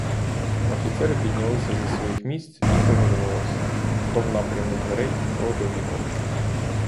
Офіцери піднялися зі своїх місць і повернулись, хто в напрямі дверей, хто до вікон.